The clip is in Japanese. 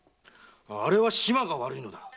あれは島が悪いのだ。